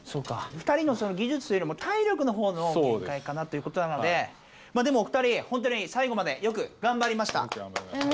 ２人のぎじゅつというよりも体力のほうのげんかいかなということなのででもお二人本当に最後までよくがんばりました。